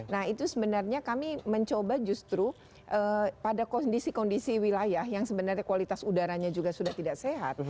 nah itu sebenarnya kami mencoba justru pada kondisi kondisi wilayah yang sebenarnya kualitas udaranya juga sudah tidak sehat